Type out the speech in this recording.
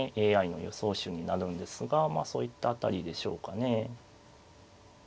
ＡＩの予想手になるんですがまあそういった辺りでしょうかね。